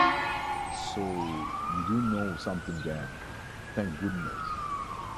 So you do know something then, thank goodness!